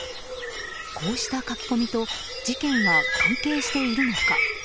こうした書き込みと事件は関係しているのか。